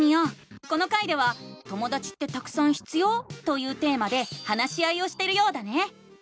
この回では「ともだちってたくさん必要？」というテーマで話し合いをしてるようだね！